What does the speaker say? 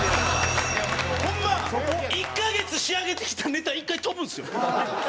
ホンマ１カ月仕上げてきたネタ１回飛ぶんですよ。